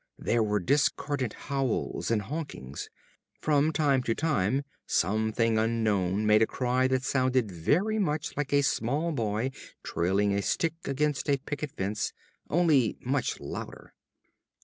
There were discordant howls and honkings. From time to time some thing unknown made a cry that sounded very much like a small boy trailing a stick against a picket fence, only much louder.